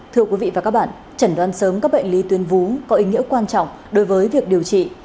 thưa quý vị và các bạn chẩn đoán sớm các bệnh lý tuyến vú có ý nghĩa quan trọng đối với việc điều trị